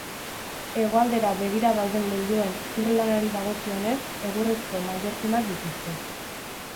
Hegoaldera begira dauden leihoen zur-lanari dagokionez, egurrezko mallorkinak dituzte.